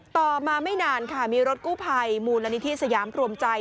ต่อมาไม่นานค่ะมีรถกู้ภัยมูลนิธิสยามรวมใจ